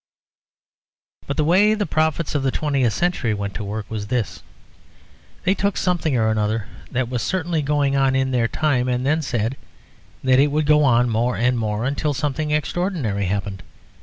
But the way the prophets of the twentieth century went to work was this. They took something or other that was certainly going on in their time, and then said that it would go on more and more until something extraordinary happened.